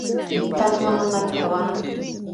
تاج محمد پروانه